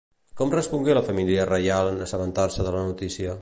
Com respongué la família reial en assabentar-se de la notícia?